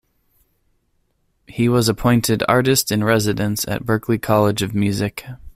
He was appointed artist in residence at Berklee College of Music.